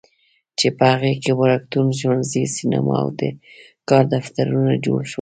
چې په هغې کې وړکتون، ښوونځی، سینما او د کار دفترونه جوړ شول.